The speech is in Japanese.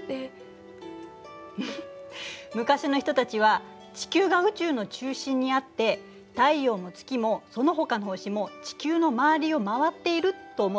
フフッ昔の人たちは地球が宇宙の中心にあって太陽も月もそのほかの星も地球の周りを回っていると思っていたのよ。